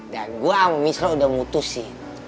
dan gue sama misra udah mutusin